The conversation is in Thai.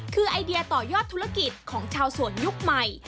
คือไอเดียต่อยอดธุรกิจของชาวสวนยุคใหม่